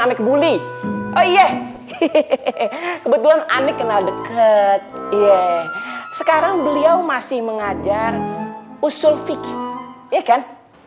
aneh kebuli oh iya hehehe kebetulan aneh kenal deket sekarang beliau masih mengajar usul fikir